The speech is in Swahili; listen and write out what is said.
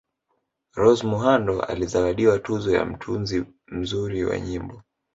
Rose Muhando alizawadiwa tuzo ya Mtunzi mzuri wa nyimbo